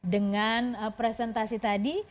dengan presentasi tadi